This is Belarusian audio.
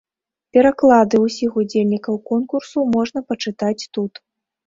Пераклады ўсіх удзельнікаў конкурсу можна пачытаць тут.